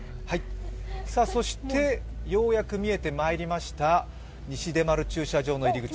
そして、ようやく見えてまいりました、西出丸駐車場の入り口